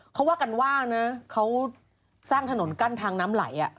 เขาว่ากันว่านะเขาสร้างถนนกั้นทางน้ำไหล